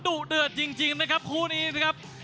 ดุเดือดจริงนะครับคู่นี้นะครับ